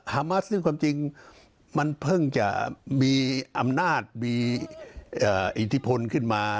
มัสซึ่งความจริงมันเพิ่งจะมีอำนาจมีอิทธิพลขึ้นมา